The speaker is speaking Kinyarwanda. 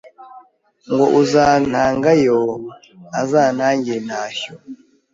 Ngo uzantangayo azantangire intashyo